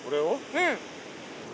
うん。